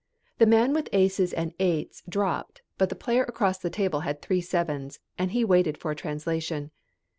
The man with aces and eights dropped, but the player across the table had three sevens, and he waited for a translation.